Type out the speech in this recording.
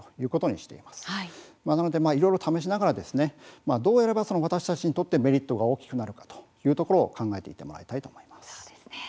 いろいろと試しながらどうやれば私たちにとってメリットが大きくなるか考えていってもらいたいと思いました。